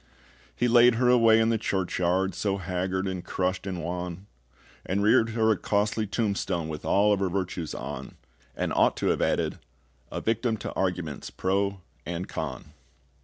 He laid her away in the church yard, So haggard and crushed and wan; And reared her a costly tombstone With all of her virtues on; And ought to have added, "A victim to arguments pro and con."